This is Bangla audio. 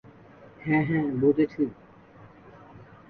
হ্যাঁ, হ্যাঁ, বুঝেছি।